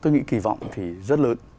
tôi nghĩ kỳ vọng thì rất lớn